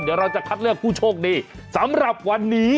เดี๋ยวเราจะคัดเลือกผู้โชคดีสำหรับวันนี้